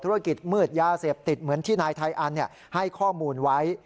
ธุรกิจมืดยาเสพติดเหมือนที่นายไทยอันให้ข้อมูลไว้